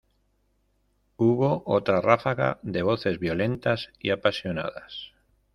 hubo otra ráfaga de voces violentas y apasionadas.